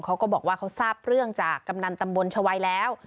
เขาก็บอกว่าเขาทราบเรื่องจากกำนันตำบลชวัยแล้ว